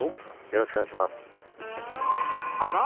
よろしくお願いしますあら？